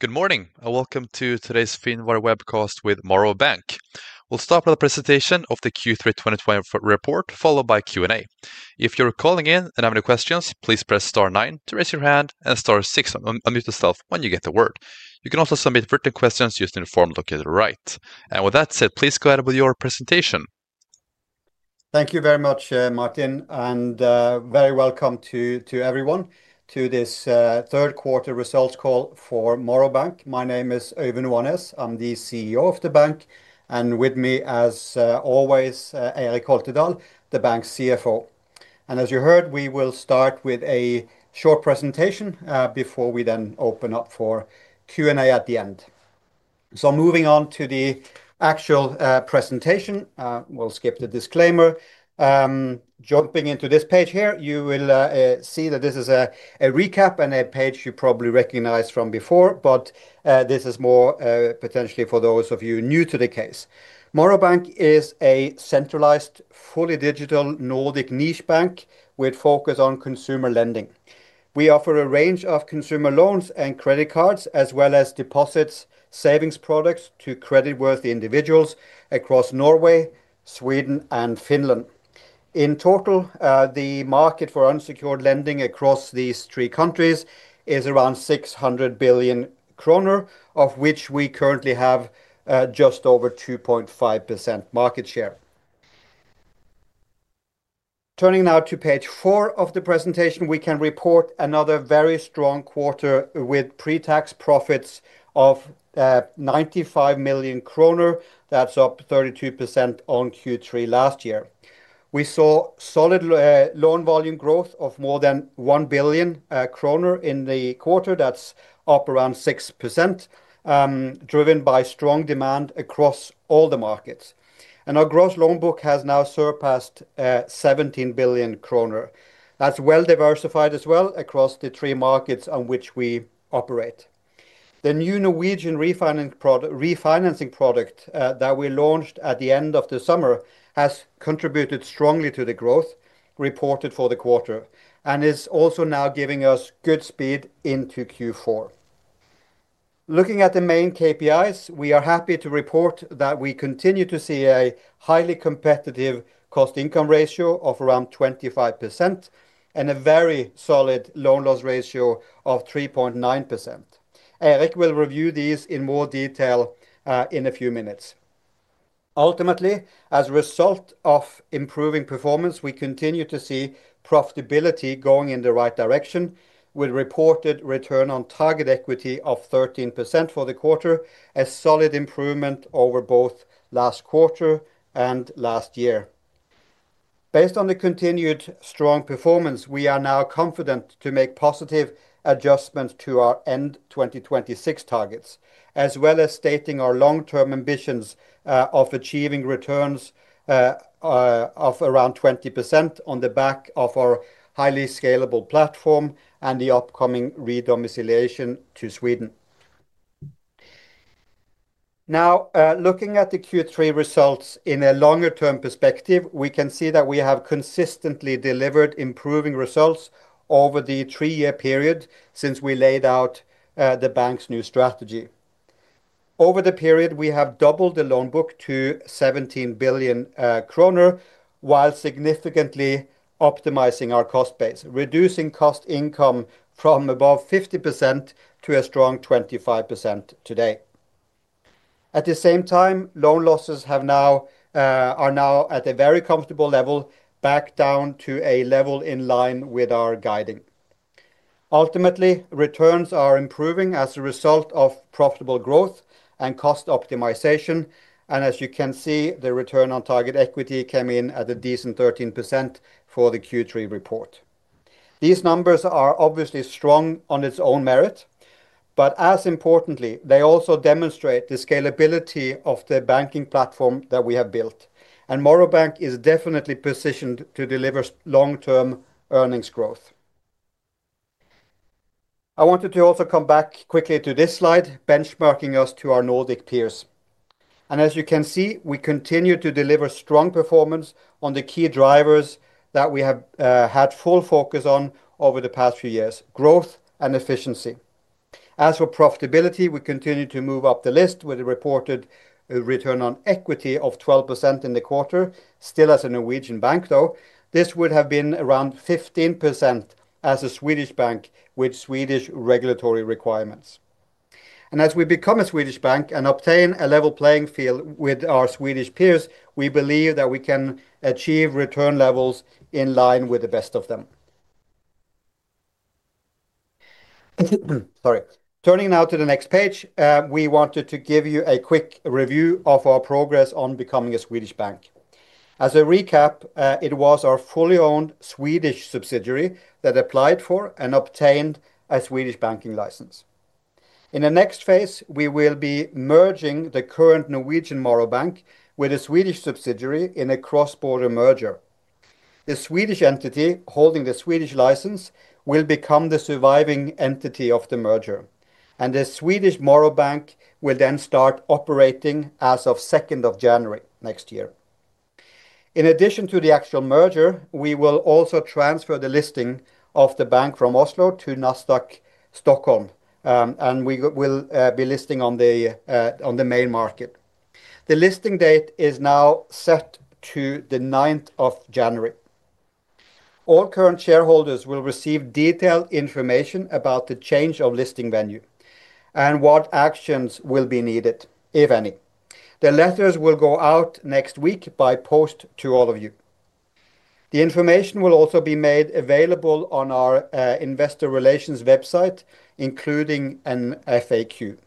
Good morning, and welcome to today's Finwire Webcast with Morrow Bank. We'll start with a presentation of the Q3 2024 report, followed by a Q&A. If you're calling in and have any questions, please press star nine to raise your hand and star six to unmute yourself when you get the word. You can also submit written questions using the form located right. With that said, please go ahead with your presentation. Thank you very much, Martin, and very welcome to everyone to this third quarter results call for Morrow Bank. My name is Øyvind Oanes. I'm the CEO of the bank, and with me, as always, Eirik Holtedahl, the bank's CFO. As you heard, we will start with a short presentation before we then open up for Q&A at the end. Moving on to the actual presentation, we'll skip the disclaimer. Jumping into this page here, you will see that this is a recap and a page you probably recognize from before, but this is more potentially for those of you new to the case. Morrow Bank is a centralized, fully digital Nordic niche bank with focus on consumer lending. We offer a range of consumer loans and credit cards, as well as deposits, savings products to creditworthy individuals across Norway, Sweden, and Finland. In total, the market for unsecured lending across these three countries is around 600 billion kronor, of which we currently have just over 2.5% market share. Turning now to page four of the presentation, we can report another very strong quarter with pre-tax profits of 95 million kronor. That's up 32% on Q3 last year. We saw solid loan volume growth of more than 1 billion kronor in the quarter. That's up around 6%, driven by strong demand across all the markets. Our gross loan book has now surpassed 17 billion kronor. That's well diversified as well across the three markets on which we operate. The new Norwegian refinancing product that we launched at the end of the summer has contributed strongly to the growth reported for the quarter and is also now giving us good speed into Q4. Looking at the main KPIs, we are happy to report that we continue to see a highly competitive cost-income ratio of around 25% and a very solid loan loss ratio of 3.9%. Eirik will review these in more detail in a few minutes. Ultimately, as a result of improving performance, we continue to see profitability going in the right direction with reported return on target equity of 13% for the quarter, a solid improvement over both last quarter and last year. Based on the continued strong performance, we are now confident to make positive adjustments to our end 2026 targets, as well as stating our long-term ambitions of achieving returns of around 20% on the back of our highly scalable platform and the upcoming re-domiciliation to Sweden. Now, looking at the Q3 results in a longer-term perspective, we can see that we have consistently delivered improving results over the three-year period since we laid out the bank's new strategy. Over the period, we have doubled the loan book to 17 billion kronor while significantly optimizing our cost base, reducing cost-income from above 50% to a strong 25% today. At the same time, loan losses are now at a very comfortable level, back down to a level in line with our guiding. Ultimately, returns are improving as a result of profitable growth and cost optimization. As you can see, the return on target equity came in at a decent 13% for the Q3 report. These numbers are obviously strong on their own merit, but as importantly, they also demonstrate the scalability of the banking platform that we have built. Morrow Bank is definitely positioned to deliver long-term earnings growth. I wanted to also come back quickly to this slide, benchmarking us to our Nordic peers. As you can see, we continue to deliver strong performance on the key drivers that we have had full focus on over the past few years: growth and efficiency. As for profitability, we continue to move up the list with a reported return on equity of 12% in the quarter. Still as a Norwegian bank, though, this would have been around 15% as a Swedish bank with Swedish regulatory requirements. As we become a Swedish bank and obtain a level playing field with our Swedish peers, we believe that we can achieve return levels in line with the best of them. Sorry. Turning now to the next page, we wanted to give you a quick review of our progress on becoming a Swedish bank. As a recap, it was our fully owned Swedish subsidiary that applied for and obtained a Swedish banking license. In the next phase, we will be merging the current Norwegian Morrow Bank with a Swedish subsidiary in a cross-border merger. The Swedish entity holding the Swedish license will become the surviving entity of the merger, and the Swedish Morrow Bank will then start operating as of 2nd of January next year. In addition to the actual merger, we will also transfer the listing of the bank from Oslo to NASDAQ Stockholm, and we will be listing on the main market. The listing date is now set to the 9th of January. All current shareholders will receive detailed information about the change of listing venue and what actions will be needed, if any. The letters will go out next week by post to all of you. The information will also be made available on our investor relations website, including an FAQ.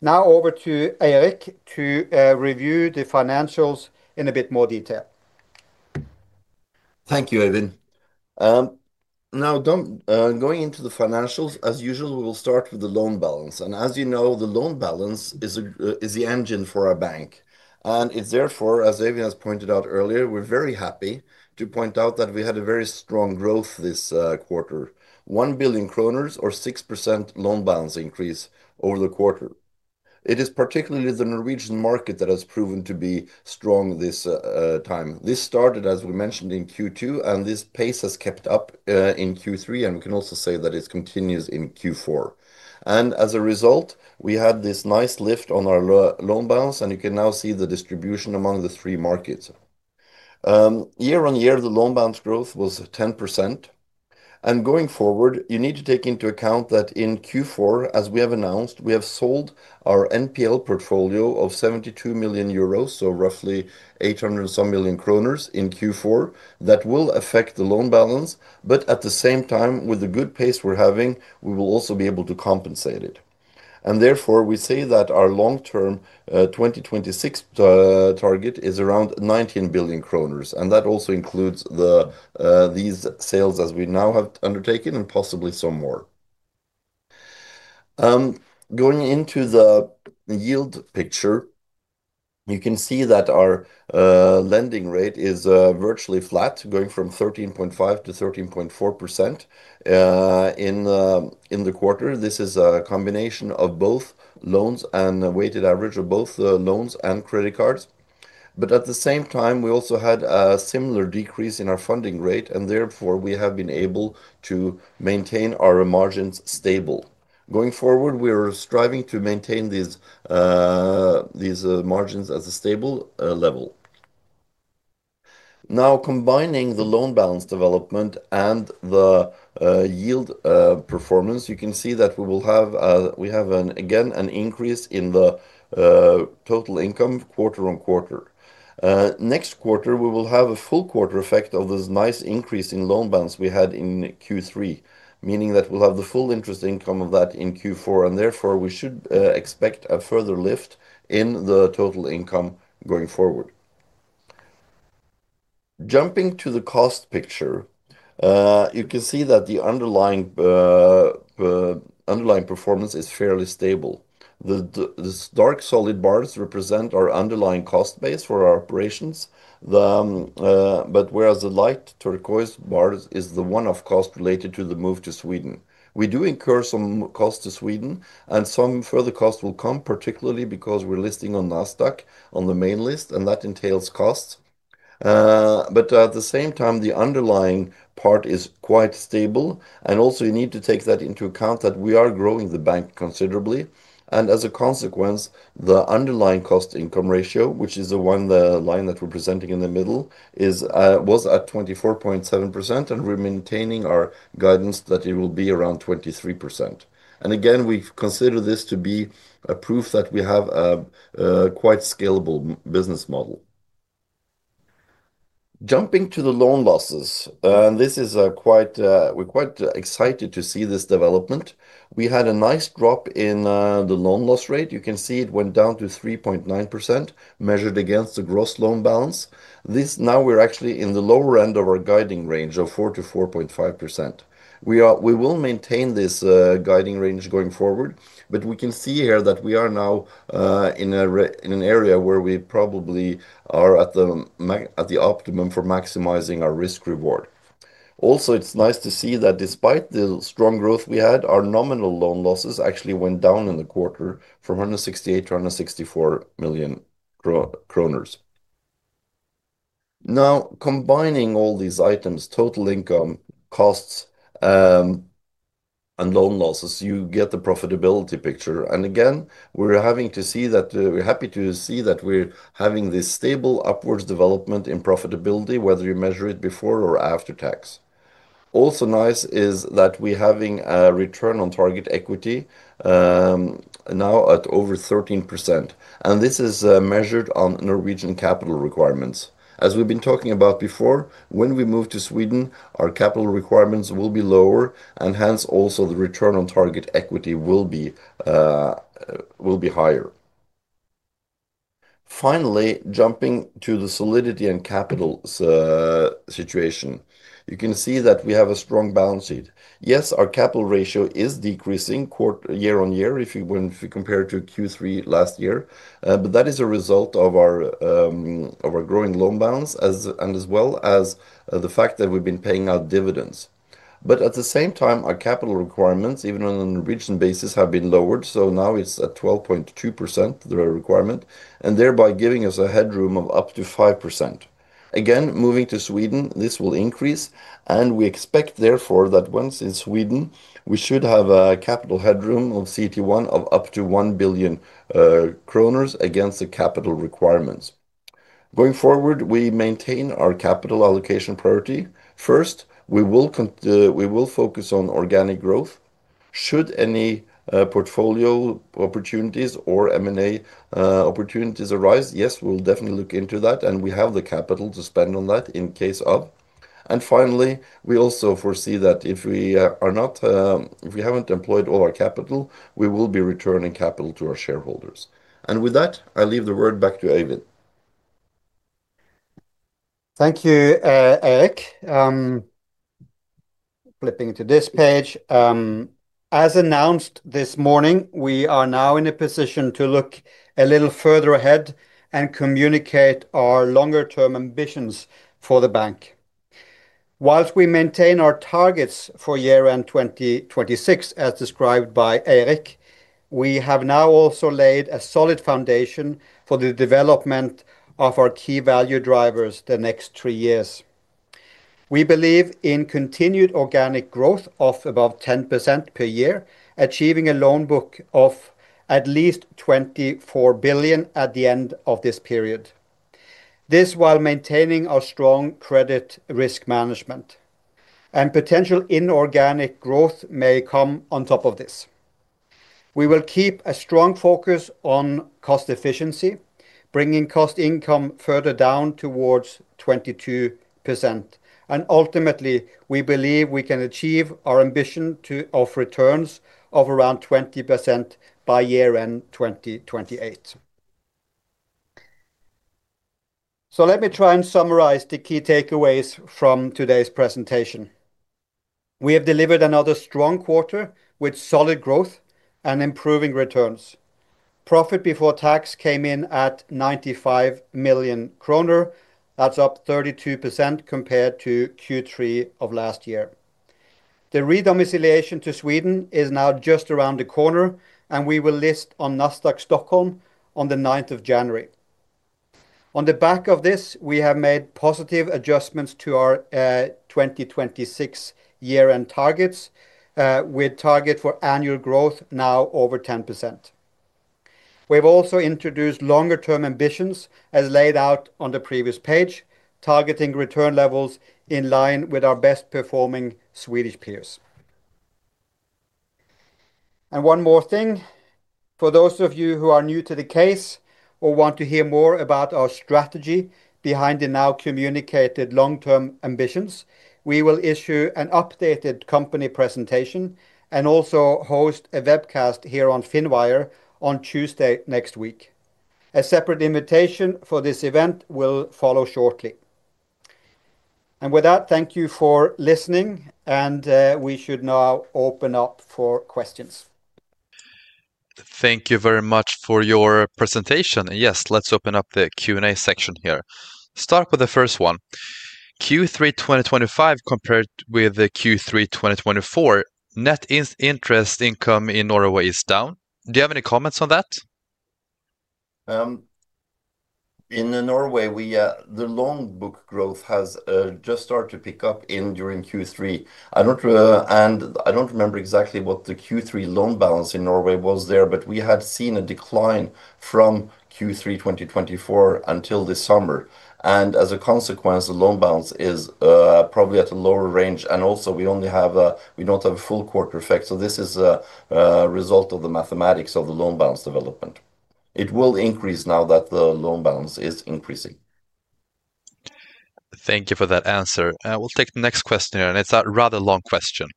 Now over to Eirik to review the financials in a bit more detail. Thank you, Øyvind. Now, going into the financials, as usual, we will start with the loan balance. As you know, the loan balance is the engine for our bank. It is therefore, as Øyvind has pointed out earlier, we are very happy to point out that we had very strong growth this quarter: 1 billion kronor, or 6% loan balance increase over the quarter. It is particularly the Norwegian market that has proven to be strong this time. This started, as we mentioned, in Q2, and this pace has kept up in Q3. We can also say that it continues in Q4. As a result, we had this nice lift on our loan balance, and you can now see the distribution among the three markets. Year on year, the loan balance growth was 10%. Going forward, you need to take into account that in Q4, as we have announced, we have sold our NPL portfolio of 72 million euros, so roughly 800 and some million in Q4. That will affect the loan balance, but at the same time, with the good pace we're having, we will also be able to compensate it. Therefore, we say that our long-term 2026 target is around 19 billion kroner. That also includes these sales as we now have undertaken and possibly some more. Going into the yield picture, you can see that our lending rate is virtually flat, going from 13.5%-13.4% in the quarter. This is a combination of both loans and weighted average of both loans and credit cards. At the same time, we also had a similar decrease in our funding rate, and therefore we have been able to maintain our margins stable. Going forward, we are striving to maintain these margins at a stable level. Now, combining the loan balance development and the yield performance, you can see that we will have, again, an increase in the total income quarter on quarter. Next quarter, we will have a full quarter effect of this nice increase in loan balance we had in Q3, meaning that we will have the full interest income of that in Q4. Therefore, we should expect a further lift in the total income going forward. Jumping to the cost picture, you can see that the underlying performance is fairly stable. The dark solid bars represent our underlying cost base for our operations. Whereas the light turquoise bars is the one-off cost related to the move to Sweden. We do incur some costs to Sweden, and some further costs will come, particularly because we're listing on NASDAQ on the main list, and that entails costs. At the same time, the underlying part is quite stable. Also, you need to take into account that we are growing the bank considerably. As a consequence, the underlying cost-income ratio, which is the line that we're presenting in the middle, was at 24.7%, and we're maintaining our guidance that it will be around 23%. Again, we consider this to be proof that we have a quite scalable business model. Jumping to the loan losses, and this is quite exciting to see this development. We had a nice drop in the loan loss rate. You can see it went down to 3.9% measured against the gross loan balance. Now we're actually in the lower end of our guiding range of 4%-4.5%. We will maintain this guiding range going forward, but we can see here that we are now in an area where we probably are at the optimum for maximizing our risk-reward. Also, it's nice to see that despite the strong growth we had, our nominal loan losses actually went down in the quarter from 168 million-164 million kronor. Now, combining all these items, total income, costs, and loan losses, you get the profitability picture. Again, we're happy to see that we're having this stable upwards development in profitability, whether you measure it before or after tax. Also nice is that we're having a return on target equity now at over 13%. This is measured on Norwegian capital requirements. As we've been talking about before, when we move to Sweden, our capital requirements will be lower, and hence also the return on target equity will be higher. Finally, jumping to the solidity and capital situation, you can see that we have a strong balance sheet. Yes, our capital ratio is decreasing year on year if you compare it to Q3 last year, but that is a result of our growing loan balance and as well as the fact that we've been paying out dividends. At the same time, our capital requirements, even on a Norwegian basis, have been lowered. Now it's at 12.2%, the requirement, and thereby giving us a headroom of up to 5%. Again, moving to Sweden, this will increase, and we expect therefore that once in Sweden, we should have a capital headroom of CT1 of up to 1 billion kronor. Kronors against the capital requirements. Going forward, we maintain our capital allocation priority. First, we will focus on organic growth. Should any portfolio opportunities or M&A opportunities arise, yes, we'll definitely look into that, and we have the capital to spend on that in case of. Finally, we also foresee that if we haven't employed all our capital, we will be returning capital to our shareholders. With that, I leave the word back to Øyvind. Thank you, Eirik. Flipping to this page. As announced this morning, we are now in a position to look a little further ahead and communicate our longer-term ambitions for the bank. Whilst we maintain our targets for year-end 2026, as described by Eirik, we have now also laid a solid foundation for the development of our key value drivers the next three years. We believe in continued organic growth of above 10% per year, achieving a loan book of at least 24 billion at the end of this period. This while maintaining our strong credit risk management. Potential inorganic growth may come on top of this. We will keep a strong focus on cost efficiency, bringing cost-income further down towards 22%. Ultimately, we believe we can achieve our ambition of returns of around 20% by year-end 2028. Let me try and summarize the key takeaways from today's presentation. We have delivered another strong quarter with solid growth and improving returns. Profit before tax came in at 95 million kronor. That's up 32% compared to Q3 of last year. The re-domiciliation to Sweden is now just around the corner, and we will list on NASDAQ Stockholm on the 9th of January. On the back of this, we have made positive adjustments to our 2026 year-end targets, with target for annual growth now over 10%. We've also introduced longer-term ambitions, as laid out on the previous page, targeting return levels in line with our best-performing Swedish peers. And one more thing. For those of you who are new to the case or want to hear more about our strategy behind the now communicated long-term ambitions, we will issue an updated company presentation and also host a webcast here on Finwire on Tuesday next week. A separate invitation for this event will follow shortly. Thank you for listening, and we should now open up for questions. Thank you very much for your presentation. Yes, let's open up the Q&A section here. Start with the first one. Q3 2025 compared with Q3 2024, net interest income in Norway is down. Do you have any comments on that? In Norway, the loan book growth has just started to pick up during Q3. I do not remember exactly what the Q3 loan balance in Norway was there, but we had seen a decline from Q3 2024 until this summer. As a consequence, the loan balance is probably at a lower range. Also, we do not have a full quarter effect. This is a result of the mathematics of the loan balance development. It will increase now that the loan balance is increasing. Thank you for that answer. We'll take the next question here, and it's a rather long question.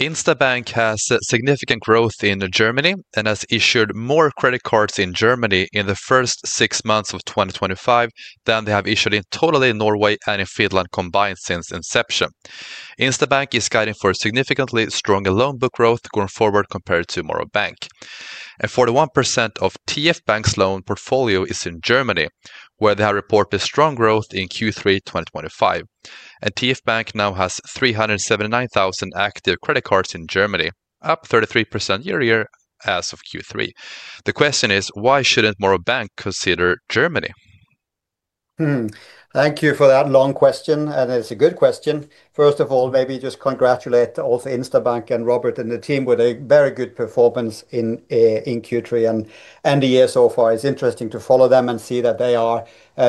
Instabank has significant growth in Germany and has issued more credit cards in Germany in the first six months of 2025 than they have issued in total in Norway and in Finland combined since inception. Instabank is guiding for significantly stronger loan book growth going forward compared to Morrow Bank. 41% of TF Bank's loan portfolio is in Germany, where they have reported strong growth in Q3 2025. TF Bank now has 379,000 active credit cards in Germany, up 33% year-to-year as of Q3. The question is, why shouldn't Morrow Bank consider Germany? Thank you for that long question, and it's a good question. First of all, maybe just congratulate also Instabank and Robert and the team with a very good performance in Q3. The year so far is interesting to follow them and see that they are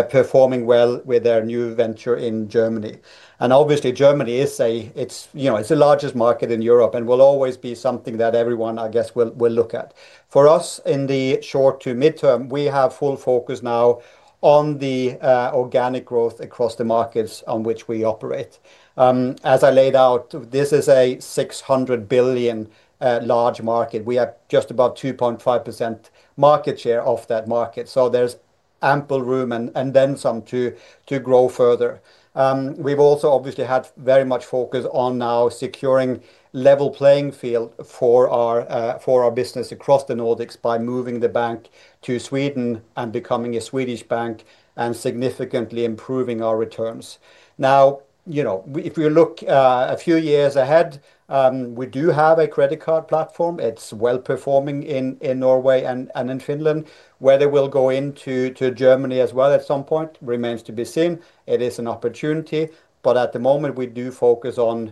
performing well with their new venture in Germany. Obviously, Germany is the largest market in Europe and will always be something that everyone, I guess, will look at. For us, in the short to midterm, we have full focus now on the organic growth across the markets on which we operate. As I laid out, this is a 600 billion large market. We have just about 2.5% market share of that market. There is ample room and then some to grow further. We've also obviously had very much focus on now securing a level playing field for our business across the Nordics by moving the bank to Sweden and becoming a Swedish bank and significantly improving our returns. Now, if we look a few years ahead, we do have a credit card platform. It's well performing in Norway and in Finland, whether we'll go into Germany as well at some point remains to be seen. It is an opportunity, but at the moment, we do focus on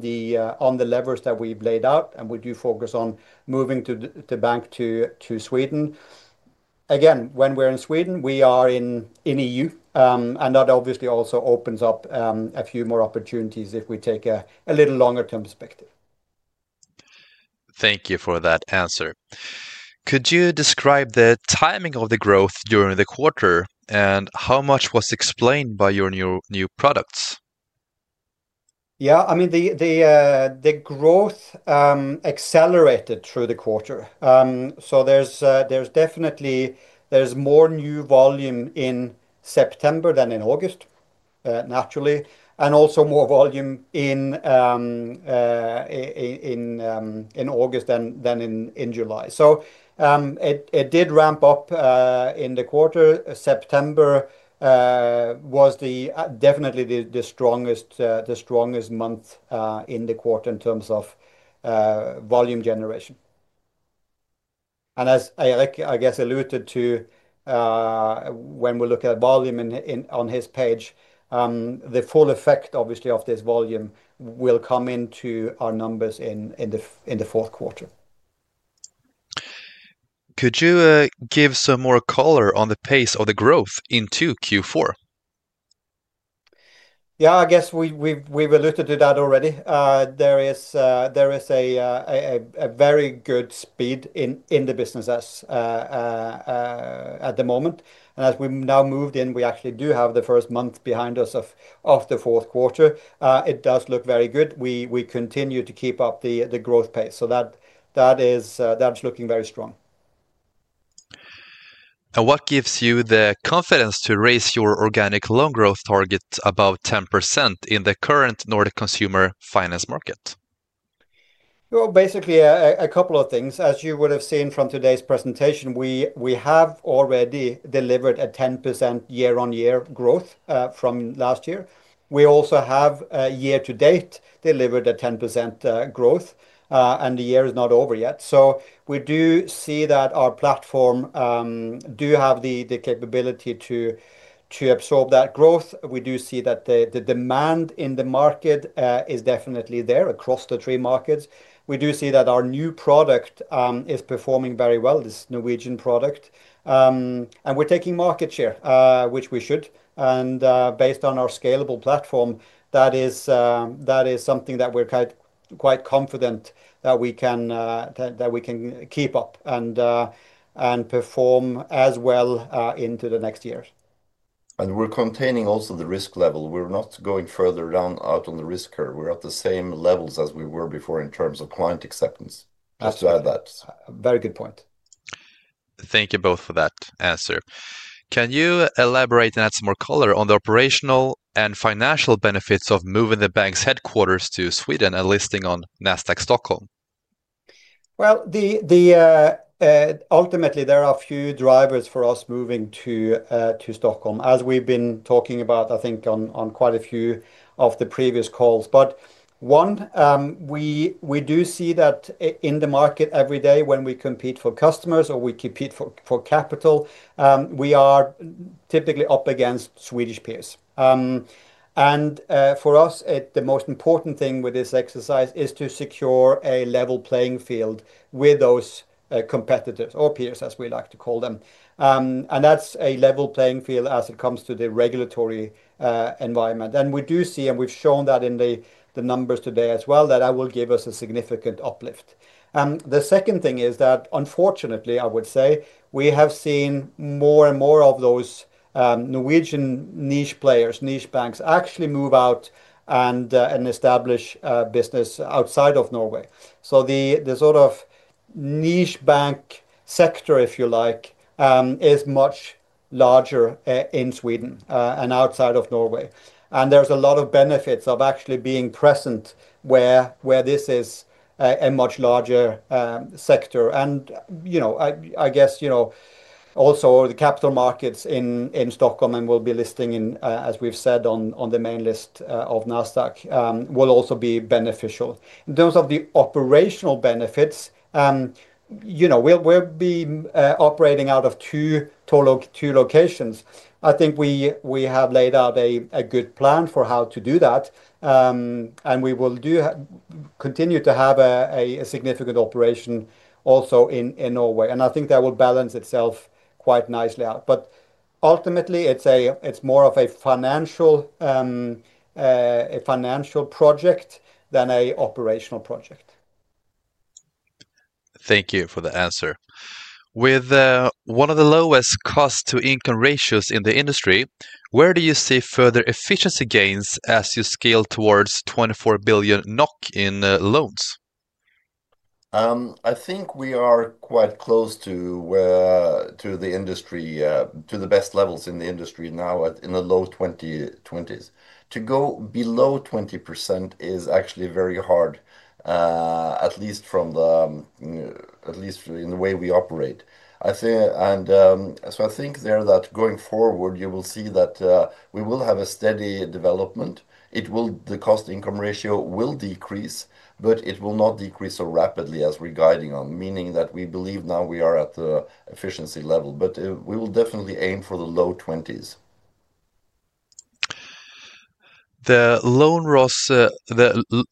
the levers that we've laid out, and we do focus on moving the bank to Sweden. Again, when we're in Sweden, we are in EU, and that obviously also opens up a few more opportunities if we take a little longer-term perspective. Thank you for that answer. Could you describe the timing of the growth during the quarter and how much was explained by your new products? Yeah, I mean, the growth accelerated through the quarter. There is definitely more new volume in September than in August, naturally, and also more volume in August than in July. It did ramp up in the quarter. September was definitely the strongest month in the quarter in terms of volume generation. As Eirik, I guess, alluded to, when we look at volume on his page, the full effect, obviously, of this volume will come into our numbers in the fourth quarter. Could you give some more color on the pace of the growth in Q4? Yeah, I guess we've alluded to that already. There is a very good speed in the business at the moment. As we've now moved in, we actually do have the first month behind us of the fourth quarter. It does look very good. We continue to keep up the growth pace. That is looking very strong. What gives you the confidence to raise your organic loan growth targets about 10% in the current Nordic consumer finance market? Basically, a couple of things. As you would have seen from today's presentation, we have already delivered a 10% year-on-year growth from last year. We also have, year to date, delivered a 10% growth, and the year is not over yet. We do see that our platform does have the capability to absorb that growth. We do see that the demand in the market is definitely there across the three markets. We do see that our new product is performing very well, this Norwegian product. We are taking market share, which we should. Based on our scalable platform, that is something that we are quite confident that we can keep up and perform as well into the next years. We are containing also the risk level. We are not going further down out on the risk curve. We are at the same levels as we were before in terms of client acceptance, just to add that. Very good point. Thank you both for that answer. Can you elaborate and add some more color on the operational and financial benefits of moving the bank's headquarters to Sweden and listing on NASDAQ Stockholm? Ultimately, there are a few drivers for us moving to Stockholm, as we've been talking about, I think, on quite a few of the previous calls. One, we do see that in the market every day when we compete for customers or we compete for capital, we are typically up against Swedish peers. For us, the most important thing with this exercise is to secure a level playing field with those competitors or peers, as we like to call them. That's a level playing field as it comes to the regulatory environment. We do see, and we've shown that in the numbers today as well, that that will give us a significant uplift. The second thing is that, unfortunately, I would say, we have seen more and more of those Norwegian niche players, niche banks, actually move out and establish business outside of Norway. The sort of niche bank sector, if you like, is much larger in Sweden and outside of Norway. There are a lot of benefits of actually being present where this is a much larger sector. I guess also the capital markets in Stockholm, and we will be listing, as we have said, on the main list of NASDAQ, will also be beneficial. In terms of the operational benefits, we will be operating out of two locations. I think we have laid out a good plan for how to do that. We will continue to have a significant operation also in Norway. I think that will balance itself quite nicely out. Ultimately, it is more of a financial project than an operational project. Thank you for the answer. With one of the lowest cost-income ratios in the industry, where do you see further efficiency gains as you scale towards 24 billion NOK in loans? I think we are quite close to the industry, to the best levels in the industry now in the low 20%. To go below 20% is actually very hard, at least in the way we operate. I think there, that going forward, you will see that we will have a steady development. The cost-income ratio will decrease, but it will not decrease so rapidly as we're guiding on, meaning that we believe now we are at the efficiency level. We will definitely aim for the low 20%. The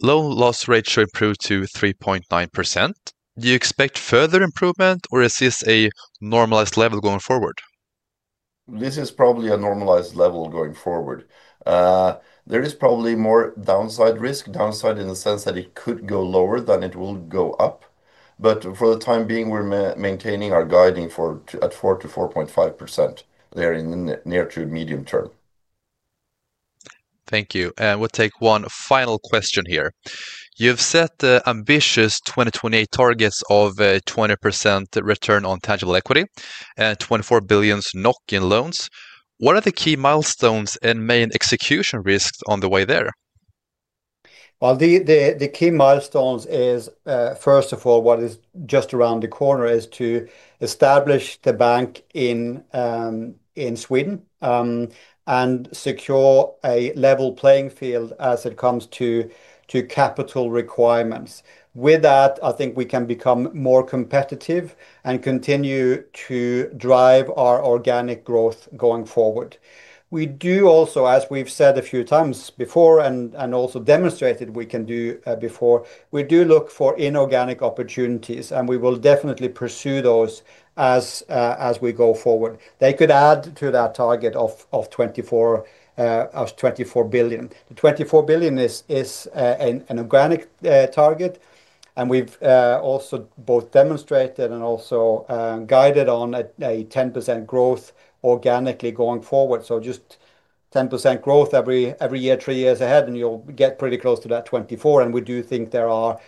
loan loss ratio improved to 3.9%. Do you expect further improvement or is this a normalized level going forward? This is probably a normalized level going forward. There is probably more downside risk, downside in the sense that it could go lower than it will go up. For the time being, we're maintaining our guiding at 4%-4.5% there in the near-to-medium term. Thank you. We'll take one final question here. You've set ambitious 2028 targets of 20% return on tangible equity and 24 billion NOK in loans. What are the key milestones and main execution risks on the way there? The key milestones are, first of all, what is just around the corner is to establish the bank in Sweden and secure a level playing field as it comes to capital requirements. With that, I think we can become more competitive and continue to drive our organic growth going forward. We do also, as we've said a few times before and also demonstrated we can do before, look for inorganic opportunities, and we will definitely pursue those as we go forward. They could add to that target of 24 billion. The 24 billion is an organic target, and we've also both demonstrated and also guided on a 10% growth organically going forward. Just 10% growth every year, three years ahead, and you'll get pretty close to that 24 billion. We do think there are.